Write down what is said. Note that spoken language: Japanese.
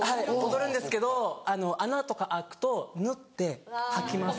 踊るんですけど穴とか開くと縫ってはきます。